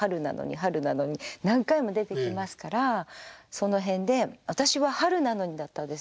何回も出てきますからその辺で私は「春なのに」だったんです。